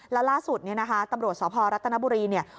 และล่าสุดนี่นะคะตำรวจสพรัตนบุรี